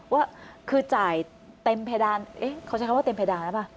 ว่าคือจ่ายเต็มเพดานเขาใช้คำว่าเต็มเพดานหรือเปล่า